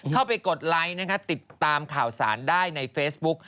เข้าไปกดไลค์ติดตามข่าวสารได้ในเฟสบุ๊ค